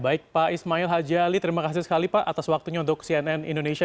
baik pak ismail haji ali terima kasih sekali pak atas waktunya untuk cnn indonesia